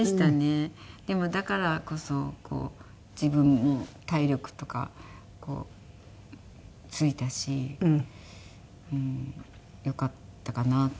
でもだからこそ自分も体力とかついたしよかったかなとは思いますけどね。